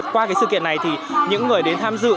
qua cái sự kiện này thì những người đến tham dự